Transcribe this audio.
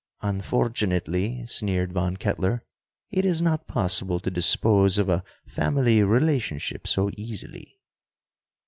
"Unfortunately," sneered Von Kettler, "it is not possible to dispose of a family relationship so easily."